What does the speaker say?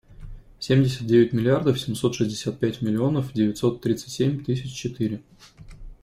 Семьдесят девять миллиардов семьсот шестьдесят пять миллионов девятьсот тридцать семь тысяч четыре.